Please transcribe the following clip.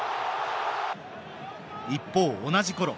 一方、同じころ。